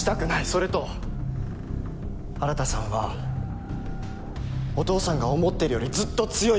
それと新さんはお父さんが思ってるよりずっと強い人です！